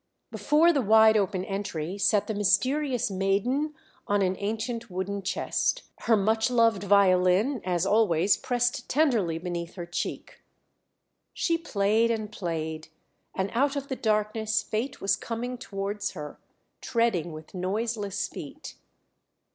Before the wide open entry sat the mysterious maiden on an ancient wooden chest, her much loved violin, as always, pressed tenderly beneath her cheek. She played and played, and out of the darkness Fate was coming towards her, treading with noiseless feet....